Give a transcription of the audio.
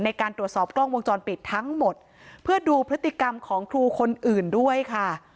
ในการตรวจสอบกล้องวงจรปิดทั้งหมดเพื่อดูพฤติกรรมของครูคนอื่นด้วยค่ะ